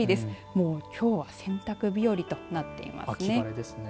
もう、きょうは洗濯日和となっていますね。